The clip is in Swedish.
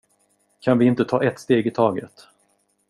Kan vi inte ta ett steg i taget?